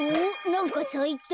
なんかさいた。